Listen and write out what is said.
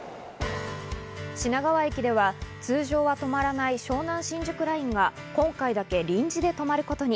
品川駅では通常は止まらない湘南新宿ラインが今回だけ臨時で止まることに。